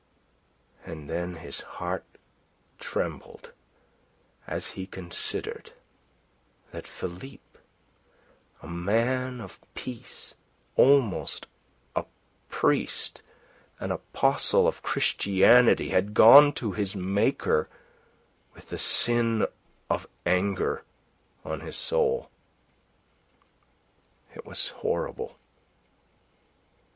And then his heart trembled as he considered that Philippe, a man of peace, almost a priest, an apostle of Christianity, had gone to his Maker with the sin of anger on his soul. It was horrible.